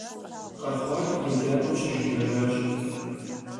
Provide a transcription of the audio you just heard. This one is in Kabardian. Khexhuar yêcap'em şıjji'ejjaş.